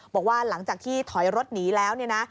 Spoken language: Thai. บอกว่าหลังจากที่ถอยรถหนีแล้วเนี่ยนะ